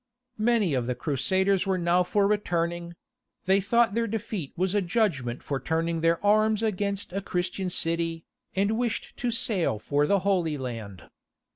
Many of the Crusaders were now for returning; they thought their defeat was a judgment for turning their arms against a Christian city, and wished to sail for the Holy Land.